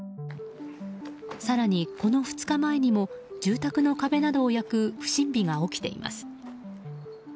更にこの２日前にも住宅の壁などを焼く不審火が起きています。